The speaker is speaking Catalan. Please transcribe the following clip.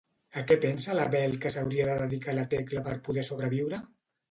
A què pensa la Bel que s'hauria de dedicar la Tecla per poder sobreviure?